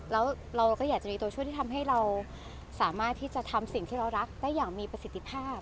แล้วเราก็อยากจะมีตัวช่วยที่ทำให้เราสามารถที่จะทำสิ่งที่เรารักได้อย่างมีประสิทธิภาพ